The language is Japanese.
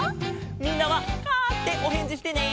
みんなは「カァ」っておへんじしてね！